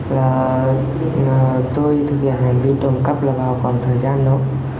là tôi thực hiện hành vi trộm cắp là vào khoảng thời gian thôi